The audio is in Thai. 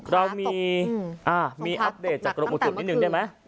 เรามีอัปเดตจากกรมอุตุนิดนึงได้ไหม